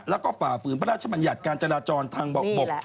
แล้วก็ฝ่าฝืนพระราชบัญญัติการจราจรทางบก